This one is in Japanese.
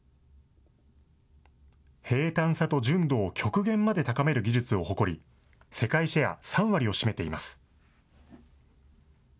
平たんさと純度を極限まで高める技術を誇り、世界シェア３割を占めています。